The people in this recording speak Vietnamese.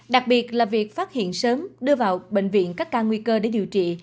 đặc biệt là việc phát hiện sớm đưa vào bệnh viện các ca nguy cơ để điều trị